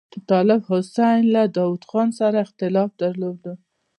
طالب حسین له داوود خان سره اختلاف درلود.